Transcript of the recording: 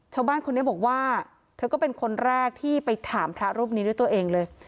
ชาวบ้านคนนี้บอกว่าเธอก็เป็นคนแรกที่ไปถามพระรูปนี้ด้วยตัวเองเลย